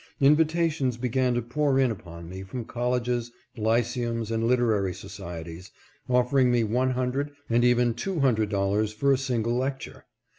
Invitations began to pour in upon me from colleges, lyceums, and literary societies, offering me one hundred, and even two hundred dollars for a single lecture.